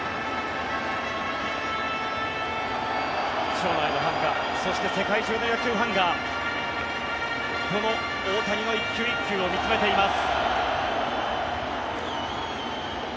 場内のファンがそして世界中の野球ファンがこの大谷の１球１球を見つめています。